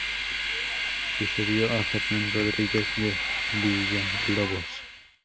Sucedió a Fernán Rodríguez de Villalobos.